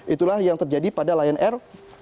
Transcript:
itulah yang terjadi pada lion air